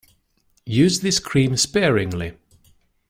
Use this cream sparingly.